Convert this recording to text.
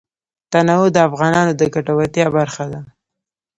تنوع د افغانانو د ګټورتیا برخه ده.